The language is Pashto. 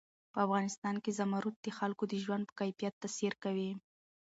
په افغانستان کې زمرد د خلکو د ژوند په کیفیت تاثیر کوي.